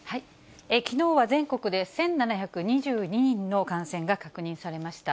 きのうは全国で１７２２人の感染が確認されました。